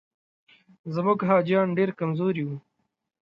زموږ حاجیان ډېر کمزوري وو.